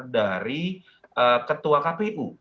dari ketua kpu